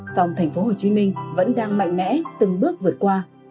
song thành phố hồ chí minh vẫn đang mạnh mẽ từng bước vượt qua